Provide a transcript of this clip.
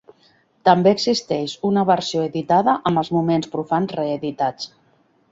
També existeix una versió editada amb els moments profans reeditats.